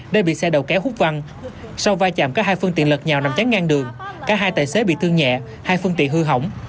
đã bị xe đầu kéo hút văng sau vai chạm có hai phương tiện lật nhào nằm chắn ngang đường cả hai tài xế bị thương nhẹ hai phương tiện hư hỏng